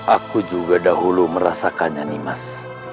aku juga dahulu merasakannya nimas